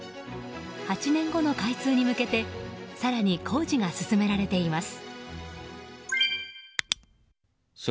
８年後の開通に向けて更に工事が進められています。